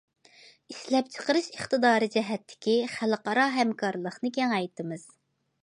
ئىشلەپچىقىرىش ئىقتىدارى جەھەتتىكى خەلقئارا ھەمكارلىقنى كېڭەيتىمىز.